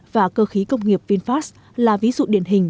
và cơ khí công nghiệp vinfast là ví dụ điển hình